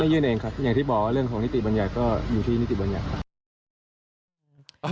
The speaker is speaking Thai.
ยื่นเองครับอย่างที่บอกว่าเรื่องของนิติบัญญัติก็อยู่ที่นิติบัญญัติครับ